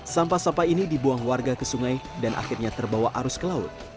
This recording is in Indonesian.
sampah sampah ini dibuang warga ke sungai dan akhirnya terbawa arus ke laut